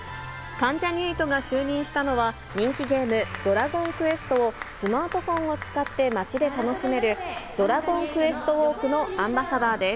関ジャニ∞が就任したのは、人気ゲーム、ドラゴンクエストを、スマートフォンを使って街で楽しめる、ドラゴンクエストウォークのアンバサダーです。